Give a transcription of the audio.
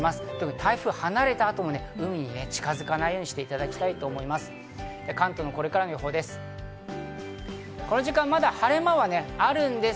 台風が離れた後も海に近づかないようにしていただきたいと思います。